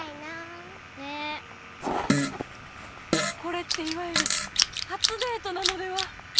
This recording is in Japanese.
これっていわゆる「初デート」なのでは。